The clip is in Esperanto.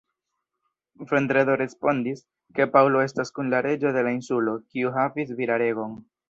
Vendredo respondis, ke Paŭlo estas kun la reĝo de la insulo, kiu havis viraregon.